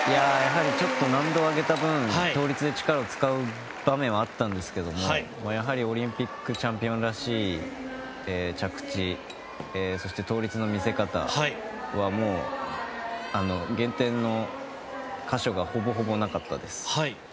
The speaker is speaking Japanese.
ちょっと難度を上げた分倒立で力を使う場面はあったんですけどもやはりオリンピックチャンピオンらしい着地そして倒立の見せ方は減点の箇所がほぼほぼ、なかったです。